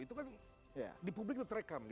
itu kan di publik itu terekam